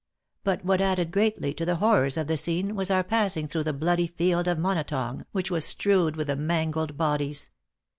But what added greatly to the horrors of the scene, was our passing through the bloody field at Monotong, which was strewed with the mangled bodies.